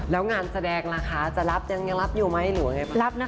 แล้วงานแสดงล่ะคะจะรับยังรับอยู่ไหมหรือยังไง